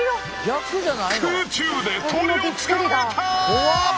空中で鳥を捕まえた！